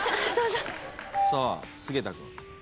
さあ菅田君。